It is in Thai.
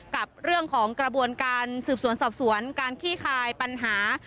กับเรื่องของกระบวนการสืบสวนสอบสวนการขี้คายปัญหา